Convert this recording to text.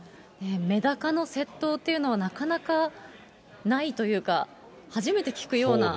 メダカの窃盗っていうのは、なかなかないというか、初めて聞くような。